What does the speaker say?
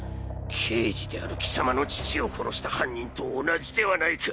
刑事である貴様の父を殺した犯人と同じではないか！